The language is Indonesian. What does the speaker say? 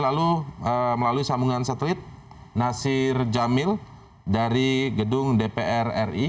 lalu melalui sambungan street nasir jamil dari gedung dpr ri